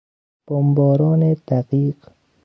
بمباران دقیق